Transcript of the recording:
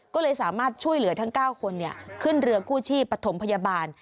ก็เลยสามารถช่วยเหลือทั้ง๙คนขึ้นเรือกู้ชีพปฐมพยาบาล